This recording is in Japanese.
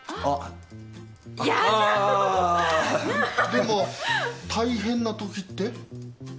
でも大変な時って？